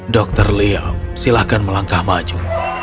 dokter liau silahkan melangkah maju